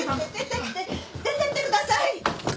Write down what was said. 出てってください！